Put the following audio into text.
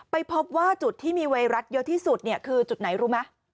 ไปพบว่าจุดที่มีไวรัสเยอะที่สุดคือจุดไหนรู้ไหม